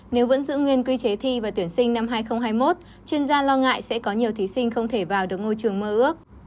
nếu vẫn giữ nguyên quy chế thi và tuyển sinh năm hai nghìn hai mươi một chuyên gia lo ngại sẽ có nhiều thí sinh không thể vào được ngôi trường mơ ước